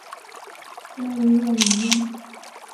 拉维热里耶。